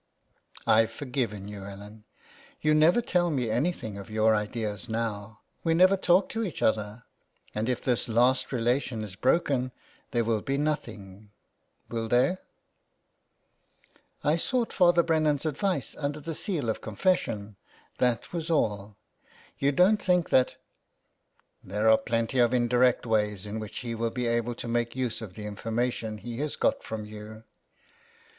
" Pve forgiven you, Ellen. ., You never tell me anything of your ideas now ; we never talk to each other, and if this last relation is broken there will be nothing ... will there?'' *' I sought Father Brennan's advice under the seal of confession, that was all. You don't think that "" There are plenty of indirect ways in which he will be able to make use of the information he has got from you."